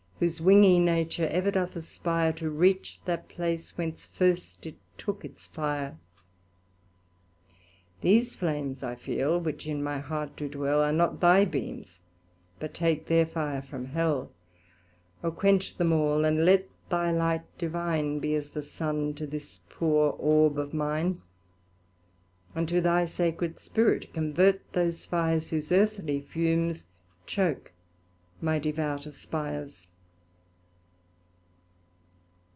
Whose wingy nature ever doth aspire To reach that place whence first it took its fire. These flames I feel, which in my heart do dwell, Are not thy beams, but take their fire from Hell. O quench them all, and let thy light divine Be as the Sun to this poor Orb of mine; And to thy sacred Spirit convert those fires, Whose earthly fumes choak my devout aspires.